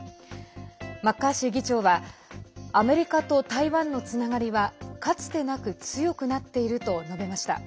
マッカーシー議長はアメリカと台湾のつながりはかつてなく強くなっていると述べました。